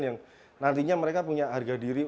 yang nantinya mereka punya harga diri